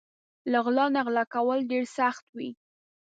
له غل نه غلا کول ډېر سخت وي